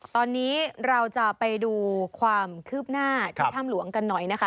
ตอนนี้เราจะไปดูความคืบหน้าที่ถ้ำหลวงกันหน่อยนะคะ